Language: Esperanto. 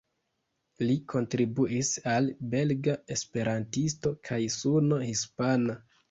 Li kontribuis al "Belga Esperantisto" kaj "Suno Hispana".